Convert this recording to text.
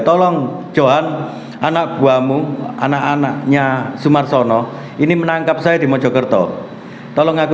tolong johan anak buahmu anak anaknya sumarsono ini menangkap saya di mojokerto tolong aku